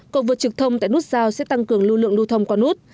cầu vượt trực thông tại nút giao sẽ tăng cường lưu lượng lưu thông qua nút